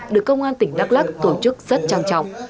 được công an tỉnh đắk lắc tổ chức rất trang trọng